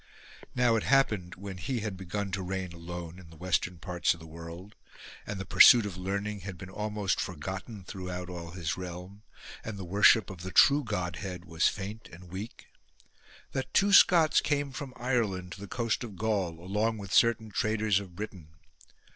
Now it happened, when he had begun to reign alone in the western parts of the world, and the pursuit of learning had been almost forgotten throughout all his realm, and the worship of the true Godhead was faint and weak, that two Scots came from Ireland to the coast of Gaul along with certain traders of Britain.